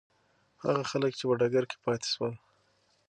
هغه خلک چې په ډګر کې پاتې شول.